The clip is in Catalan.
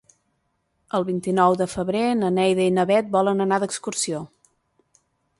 El vint-i-nou de febrer na Neida i na Bet volen anar d'excursió.